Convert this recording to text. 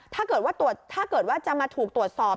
ถ้าเกิดว่าจะมาถูกตรวจสอบ